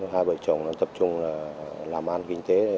hai bởi chồng tập trung làm ăn kinh tế